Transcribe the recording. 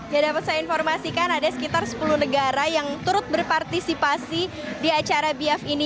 ya dapat saya informasikan ada sekitar sepuluh negara yang turut berpartisipasi di acara biaf ini